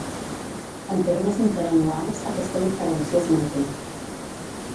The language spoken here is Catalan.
En termes interanuals, aquesta diferència es manté.